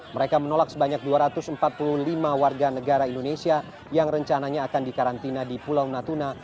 mereka menolak sebanyak dua ratus empat puluh lima warga negara indonesia yang rencananya akan dikarantina di pulau natuna